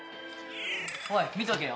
おい見とけよ。